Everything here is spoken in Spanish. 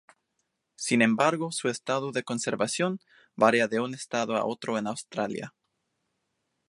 Sin embargo, su estado de conservación varía de un estado a otro en Australia.